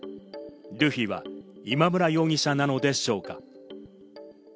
ルフィは今村容疑者なのでしょうか。